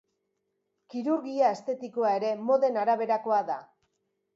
Kirurgia estetikoa ere moden araberakoa da.